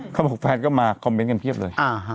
เขาบอกแฟนก็มาคอมเมนต์กันเพียบเลย